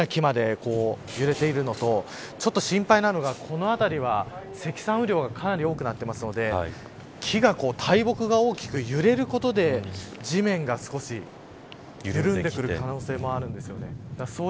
竹とかの、わりとしなりやすい木だけではなくて大きな木まで揺れているのとちょっと心配なのが、この辺りは積算雨量がかなり多くなっているので大木が大きく揺れることで地面が少し緩んでくる可能性もあるんですよね。